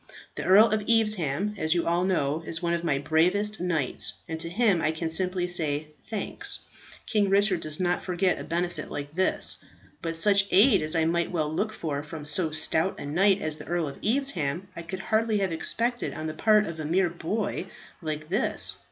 The Earl of Evesham, as you all know, is one of my bravest knights, and to him I can simply say, 'Thanks; King Richard does not forget a benefit like this.' But such aid as I might well look for from so stout a knight as the Earl of Evesham, I could hardly have expected on the part of a mere boy like this.